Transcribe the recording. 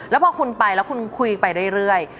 แล้วพอคุณไปแล้วคุณคุยไปเรื่อย